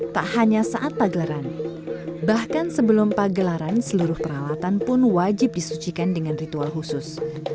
tak hanya saat pagelaran bahkan sebelum pagelaran seluruh peralatan pun wajib disucikan dengan ritual khusus